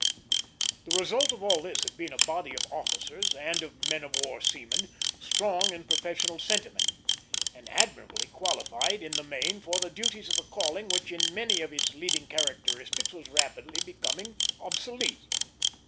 The result of all this had been a body of officers, and of men of war seamen, strong in professional sentiment, and admirably qualified in the main for the duties of a calling which in many of its leading characteristics was rapidly becoming obsolete.